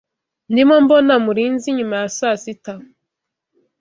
Ndimo mbona Murinzi nyuma ya saa sita.